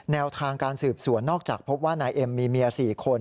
แนวทางการสืบสวนนอกจากพบว่านายเอ็มมีเมีย๔คน